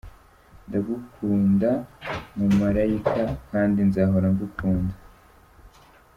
Ndagukunda mu marayika kandi nzahora ngukunda.